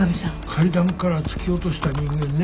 階段から突き落とした人間ね。